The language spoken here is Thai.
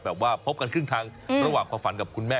พบกันครึ่งทางระหว่างความฝันกับคุณแม่